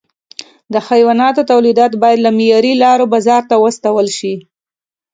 د حیواناتو تولیدات باید له معیاري لارو بازار ته واستول شي.